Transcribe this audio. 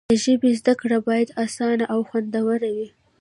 د ژبې زده کړه باید اسانه او خوندوره وي.